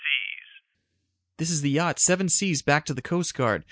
"This is the yacht Seven Seas back to the Coast Guard.